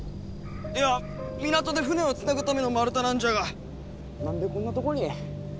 いや港で船をつなぐための丸太なんじゃが何でこんなとこに？